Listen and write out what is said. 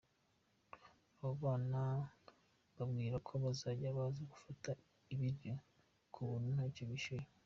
Abo bana mbabwira ko bazajya baza gufata ibiryo ku buntu ntacyo bishyuye.